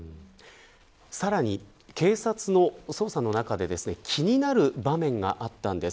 さらに警察の捜査の中で気になる場面があったんです。